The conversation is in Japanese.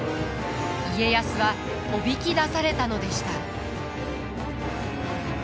家康はおびき出されたのでした。